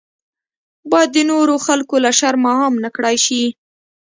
باید د نورو خلکو له شرمه عام نکړای شي.